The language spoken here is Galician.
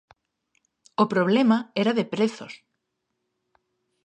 O problema era de prezos.